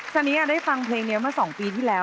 สันนี่อ่ะได้ฟังเพลงนี้มาสองปีที่แล้ว